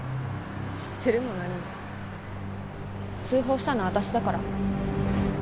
知ってるも何も通報したの私だから。